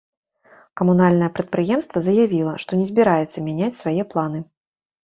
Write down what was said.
Камунальнае прадпрыемства заявіла, што не збіраецца мяняць свае планы.